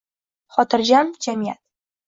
Xotirjam jamiyat